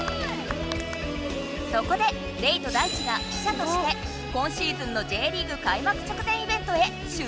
そこでレイとダイチが記しゃとして今シーズンのＪリーグ開幕直前イベントへ取材に！